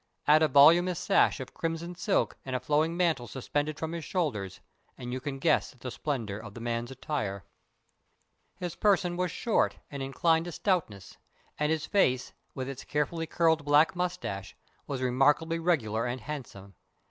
Add a voluminous sash of crimson silk and a flowing mantle suspended from his shoulders, and you can guess the splendor of the man's attire. His person was short and inclined to stoutness, and his face, with its carefully curled black mustache, was remarkably regular and handsome.